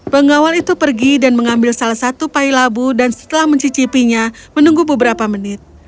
pengawal itu pergi dan mengambil salah satu pahi labu dan setelah mencicipinya menunggu beberapa menit